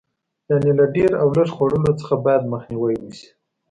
یعنې له ډېر او لږ خوړلو څخه باید مخنیوی وشي.